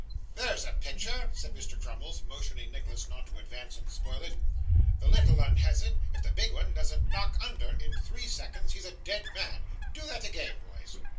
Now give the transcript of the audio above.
'There's a picture,' said Mr. Crummles, motioning Nicholas not to advance and spoil it. 'The little 'un has him; if the big 'un doesn't knock under, in three seconds, he's a dead man. Do that again, boys.